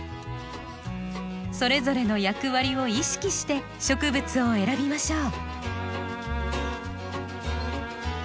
それぞれの役割を意識して植物を選びましょう。